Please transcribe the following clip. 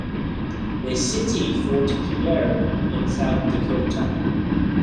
A city Fort Pierre in South Dakota.